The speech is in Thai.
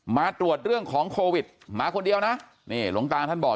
มาตรวจเรื่องของโควิดมาคนเดียวนะนี่หลวงตาท่านบอก